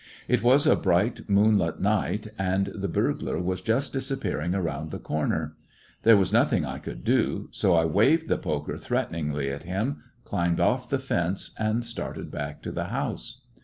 It was a bright moonlight night, arid the burglar was just disappearing around the corner. There was nothing I could do, so I waved the poker threateningly at him, climbed off the fence, and started back to the house.